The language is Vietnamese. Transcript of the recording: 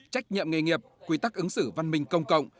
trách nhiệm nghề nghiệp quy tắc ứng xử văn minh công cộng